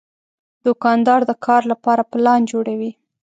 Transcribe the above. دوکاندار د کار لپاره پلان جوړوي.